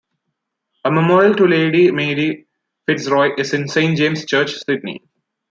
A memorial to Lady Mary Fitzroy is in Saint James' Church, Sydney.